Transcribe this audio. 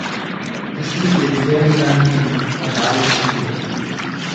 Er spielte den Ferdinand in Kabale und Liebe.